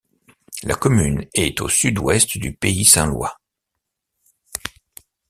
La commune est au sud-ouest du Pays saint-lois.